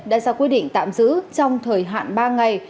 đã ra quyết định tạm giữ trong thời hạn ba ngày